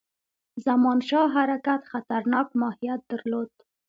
زمانشاه حرکت خطرناک ماهیت درلود.